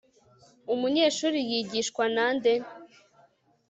umunyeshuri yigishwa na nde